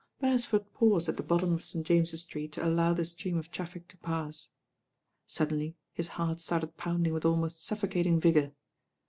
Beresford paused at the bottom of St. James's Street to allow the stream of traffic to pass. Sud denly his heart started pounding with almost suffo cating vigour.